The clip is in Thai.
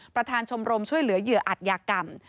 ประธานชมรมช่วยเหลือเหยื่ออัตยากรรม